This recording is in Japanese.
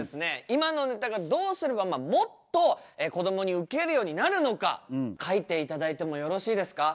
今のネタがどうすればもっとこどもにウケるようになるのか書いて頂いてもよろしいですか？